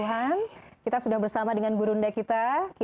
apakah ada satu tadi